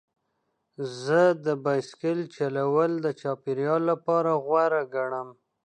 زه د بایسکل چلول د چاپیریال لپاره غوره ګڼم.